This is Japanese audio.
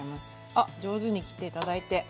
あっ上手に切って頂いて。